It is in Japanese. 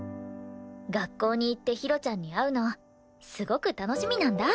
学校に行ってひろちゃんに会うのすごく楽しみなんだ。